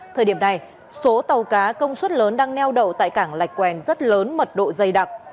thời điểm này số tàu cá công suất lớn đang neo đậu tại cảng lạch quèn rất lớn mật độ dày đặc